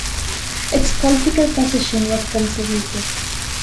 Its political position was Conservative.